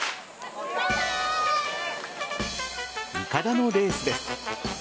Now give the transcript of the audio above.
いかだのレースです。